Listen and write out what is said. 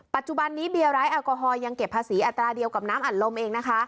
ปัจจุบันนี้เบียร์ร้ายแอลกอฮอลยังเก็บภาษีอัตราเดียวกับน้ำอัดลมเองนะคะ